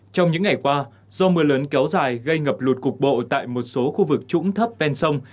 trong những ngày qua do mưa lớn kéo dài gây ngập lụt cục bộ tại một số khu vực trũng thấp ven sông